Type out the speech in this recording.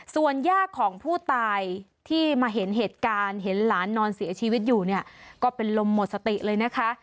ส่วนย่าของผู้ตายที่มาเห็นเหตุการณ์เห็นหลานนอนเสียชีวิตอยู่เนี่ยก็เป็นลมหมดสติเลยนะคะ